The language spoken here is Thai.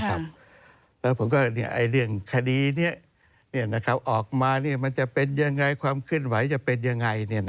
แล้วผมก็เรียกว่าเรื่องคดีออกมาความขึ้นไหวจะเป็นยังไง